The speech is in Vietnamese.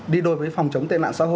đi đối với phòng chống tệ nạn xã hội